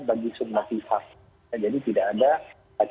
bagi semua pihak